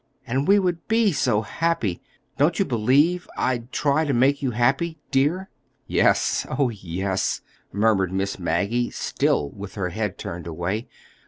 And we would be so happy! Don't you believe I'd try to make you happy—dear?" "Yes, oh, yes," murmured Miss Maggie, still with her head turned away.